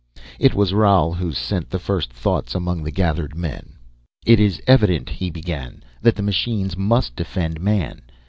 It was Roal who sent the first thoughts among the gathered men. "It is evident," he began, "that the machines must defend man.